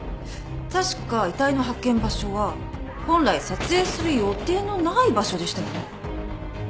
確か遺体の発見場所は本来撮影する予定のない場所でしたよね。